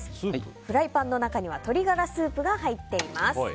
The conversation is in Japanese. フライパンの中には鶏ガラスープが入っています。